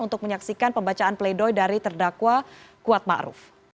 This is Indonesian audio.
untuk menyaksikan pembacaan pledoi dari terdakwa kuatma'ruf